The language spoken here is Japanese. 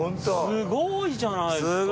すごいじゃないですか。